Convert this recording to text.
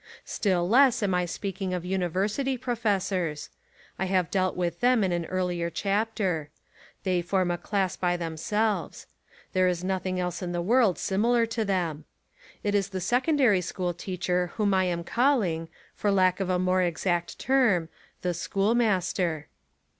Still less, am I speaking of Univer sity professors. I have dealt with them in an earlier chapter. They form a class by them selves. There is nothing else in the world simi lar to them. It is the secondary school teacher whom I am calling, for lack of a more exact term, the "schoolmaster."